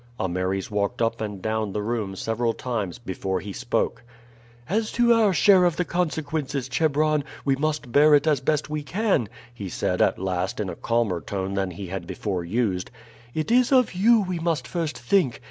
Ameres walked up and down the room several times before he spoke. "As to our share of the consequences, Chebron, we must bear it as best we can," he said at last in a calmer tone than he had before used; "it is of you we must first think.